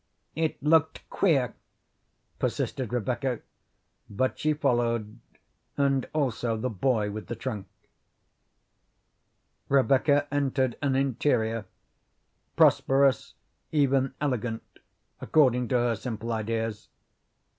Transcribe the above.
"It looked queer," persisted Rebecca, but she followed, and also the boy with the trunk. Rebecca entered an interior, prosperous, even elegant, according to her simple ideas.